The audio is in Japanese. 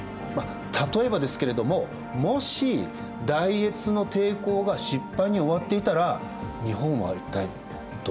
例えばですけれどももし大越の抵抗が失敗に終わっていたら日本は一体どうなってたでしょうね。